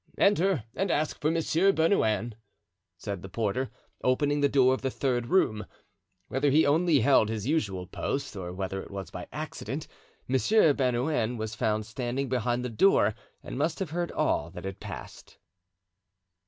"Enter, and ask for Monsieur Bernouin," said the porter, opening the door of the third room. Whether he only held his usual post or whether it was by accident, Monsieur Bernouin was found standing behind the door and must have heard all that had passed.